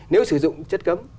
nếu sử dụng chất cấm